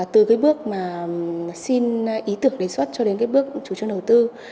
từ bước xin ý tưởng đề xuất cho đến bước chủ trương đầu tư